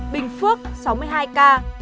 bình phước sáu mươi hai ca